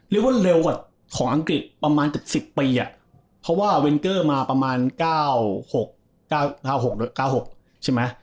เรียกว่าเร็วกว่าของอังกฤษประมาณเกือบ๑๐ปีเพราะว่าเวนเกอร์มาประมาณ๙๖๙๖๙๖ใช่ไหม